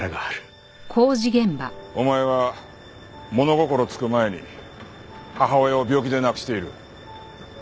お前は物心つく前に母親を病気で亡くしている。